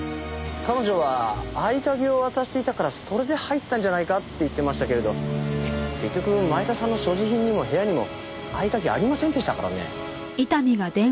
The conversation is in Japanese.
彼女は合鍵を渡していたからそれで入ったんじゃないかって言ってましたけれど結局前田さんの所持品にも部屋にも合鍵ありませんでしたからね。